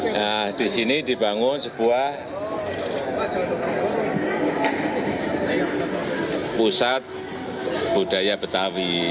nah disini dibangun sebuah pusat budaya betawi